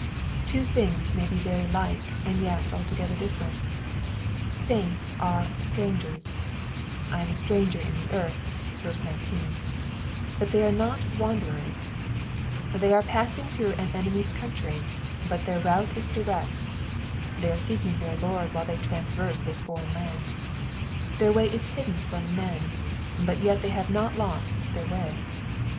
Two things may be very like and yet altogether different : sunts are strangers*' —I am a stranger in the earth*' (verse 19), but they are not wanderers : they are passing through an enemy's country, but their route is direct ; they are seeking their Lord while they traverse this foreign land. Their way is hidden from men ; but yet they have not lost their way.